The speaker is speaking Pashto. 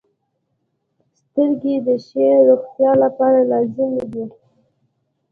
• سترګې د ښې روغتیا لپاره لازمي دي.